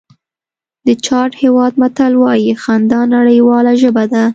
د چاډ هېواد متل وایي خندا نړیواله ژبه ده.